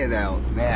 ねえ。